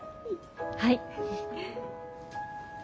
はい。